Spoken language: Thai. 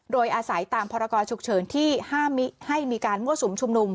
โดยอาศัยตามพรกรฉุกเฉินที่ห้ามให้มีการมั่วสุมชุมนุม